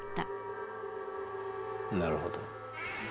なるほど。